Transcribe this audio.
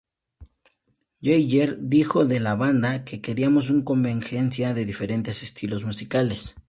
Jagger dijo de la banda, ""Queríamos una convergencia de diferentes estilos musicales...